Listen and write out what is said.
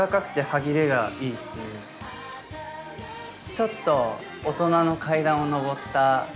ちょっと大人の階段を上った。